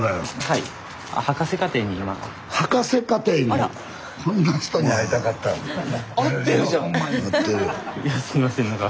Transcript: いやすいません何か。